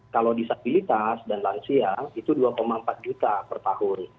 kalau disabilitas dan lansia itu dua empat juta per tahun